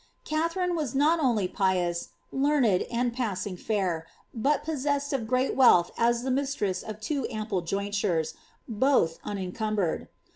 Katharine was not only pious, learned, and passing fair, but possesii of great wealth as the mistress of two ample jointures, both unencm bered.